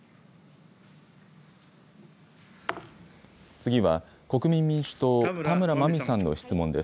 次は、国民民主党、田村麻美さんの質問です。